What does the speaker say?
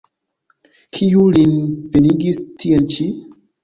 Kiu lin venigis tien ĉi?